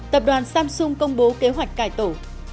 tập đoàn samsung công bố kế hoạch cải tổ